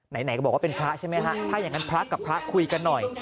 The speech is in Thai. ไหนก็บอกว่าเป็นพระใช่ไหมฮะถ้าอย่างนั้นพระกับพระคุยกันหน่อย